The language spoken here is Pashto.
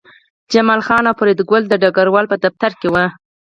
جمال خان او فریدګل د ډګروال په دفتر کې وو